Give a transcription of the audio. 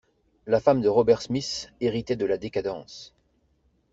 La femme de Robert Smith héritait de la décadence.